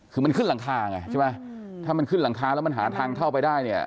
คือมันขึ้นหลังคาไงใช่ไหมถ้ามันขึ้นหลังคาแล้วมันหาทางเข้าไปได้เนี่ย